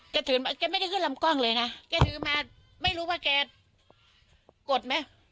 ถือมาแกไม่ได้ขึ้นลำกล้องเลยนะแกถือมาไม่รู้ว่าแกกดไหม